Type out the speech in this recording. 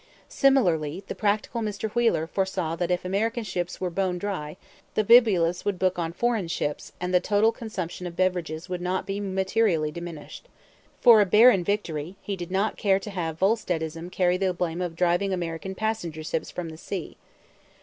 Similarly the practical Mr. Wheeler foresaw that if American ships were bone dry the bibulous would book on foreign ships and the total consumption of beverages would not be materially diminished. For a barren victory he did not care to have Volsteadism carry the blame of driving American passenger ships from the sea.